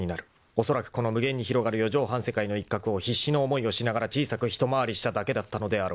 ［おそらくこの無限に広がる四畳半世界の一角を必死の思いをしながら小さく一回りしただけだったのであろう］